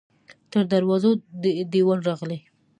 تر دروازو دې دیوال راغلی